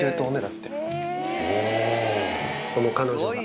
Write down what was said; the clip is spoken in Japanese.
この彼女が。